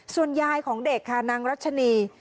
ส่วนยายของเด็กค่ะนางรัชนี